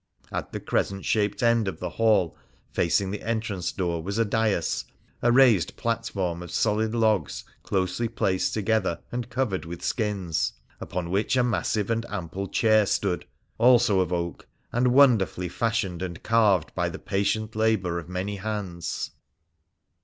At the crescent shaped end of the hall, facing the entrance door, was a dais— a raised platform of solid logs closely placed together and covered with skins — upon which a massive and ample chair stood, also of oak, and wonderfully fashioned and carved by the patient labour of many hands.